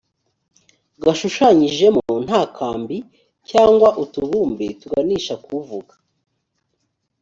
gashushanyijemo nta kambi cyangwa utubumbe tuganisha ku uvuga